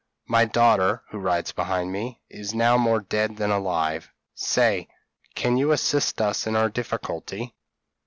My daughter, who rides behind me, is now more dead than alive say, can you assist us in our difficulty?'